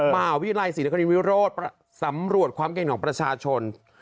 ป่าวิรัยสินคณีวิโรศสำรวจความเก็บเห็นของประชาชน